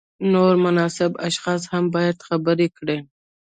نور مناسب اشخاص هم باید خبر کړي.